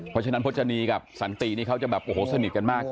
เพราะฉะนั้นพจนีกับสันตินี่เขาจะแบบโอ้โหสนิทกันมาก